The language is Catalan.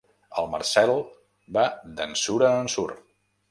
El Marcel va d'ensurt en ensurt.